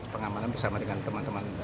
pengamanan bersama dengan teman teman